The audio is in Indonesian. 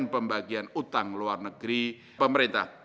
pembagian utang luar negeri pemerintah